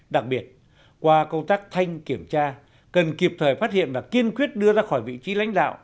đặc biệt qua công tác thanh kiểm tra cần kịp thời phát hiện và kiên quyết đưa ra khỏi vị trí lãnh đạo